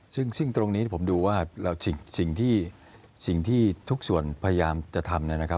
ซึ่งตรงนี้ผมดูว่าสิ่งที่ทุกส่วนพยายามจะทำ